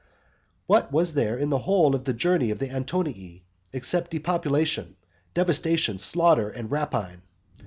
What was there in the whole of the journey of the Antonii; except depopulation, devastation, slaughter, and rapine?